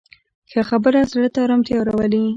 ښه خبره زړه ته ارامتیا راولي